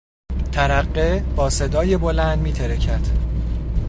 ترقه با صدای بلند میترکد.